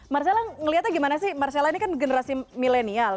marcella ngeliatnya gimana sih marcella ini kan generasi milenial